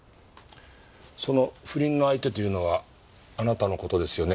その不倫の相手というのはあなたの事ですよね？